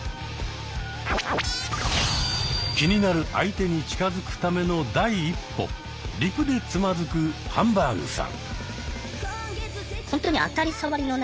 気になる相手に近づくための第一歩「リプ」でつまずくハンバーグさん。